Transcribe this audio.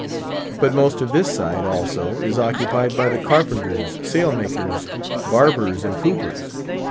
But most of this side, also, is occupied by the carpenters, sail makers, barbers, and coopers.